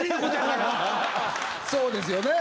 そうですよね！